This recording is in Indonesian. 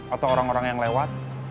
atau orang orang yang lewat